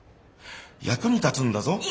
役に立つんだぞ。